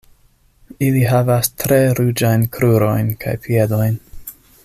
Ili havas tre ruĝajn krurojn kaj piedojn.